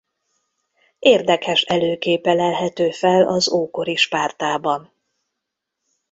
Érdekes előképe lelhető fel az ókori Spártában.